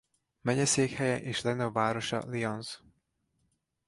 Megyeszékhelye és legnagyobb városa Lyons.